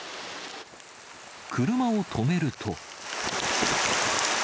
車を止めると。